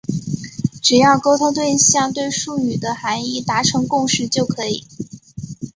只要沟通对象对术语的含义达成共识就可以。